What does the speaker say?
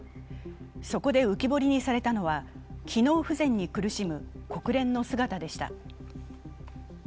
そこで浮き彫りにされたのは機能不全に苦しむ国連の姿でした。